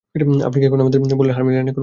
আপনি কি আমাদের বলবেন হারলিন এখন কোথায়?